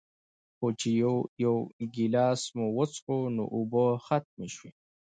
خو چې يو يو ګلاس مو وڅښو نو اوبۀ ختمې شوې